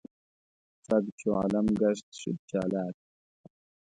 سګ چو عالم ګشت شد چالاک.